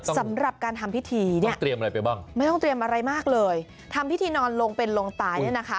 สำหรับการทำพิธีเนี่ยไม่ต้องเตรียมอะไรมากเลยทำพิธีนอนโลงเป็นโลงตายเนี่ยนะคะ